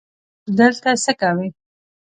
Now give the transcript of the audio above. ته دلته څه کوې؟